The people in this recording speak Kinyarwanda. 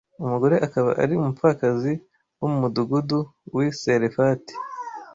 umugore akaba ari umupfakazi wo mu mudugudu w’i Sarefati